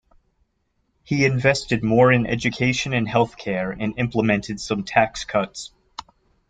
He invested more in education and health care, and implemented some tax cuts.